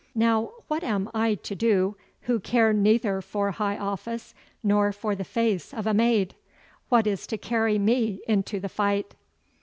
Now, what am I to do who care neither for high office nor for the face of a maid? What is to carry me into the fight?